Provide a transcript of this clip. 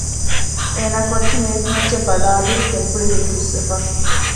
އޭނާ ކޮޓަރި މޭޒުމައްޗަށް ބަލާލިއިރު ފެންފުޅި ހުރީ ހުސްވެފަ